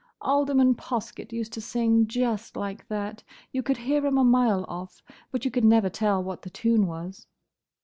"Alderman Poskett used to sing just like that. You could hear him a mile off, but you could never tell what the tune was."